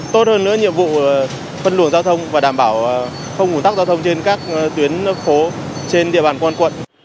tốt hơn nữa nhiệm vụ phân luồng giao thông và đảm bảo không ủn tắc giao thông trên các tuyến phố trên địa bàn toàn quận